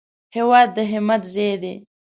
هېواد د همت ځای دی